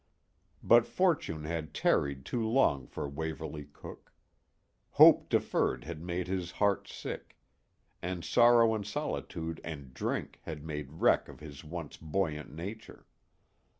But fortune had tarried too long for Waverly Cooke. Hope deferred had made his heart sick, and sorrow and solitude and drink had made wreck of his once buoyant nature.